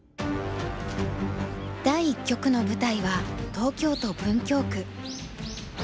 第一局の舞台は東京都文京区。